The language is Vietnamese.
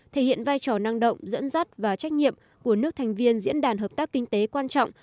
thể hiện vai trò năng động dẫn dắt và trách nhiệm của nước thành viên diễn đàn hợp tác kinh tế quan trọng